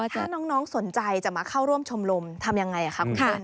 ถ้าน้องสนใจจะมาเข้าร่วมชมรมทำยังไงครับ